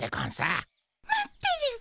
待ってるっピ？